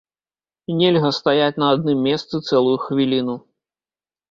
Нельга стаяць на адным месцы цэлую хвіліну.